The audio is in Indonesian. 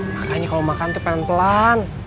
makanya kalau makan tuh pelan pelan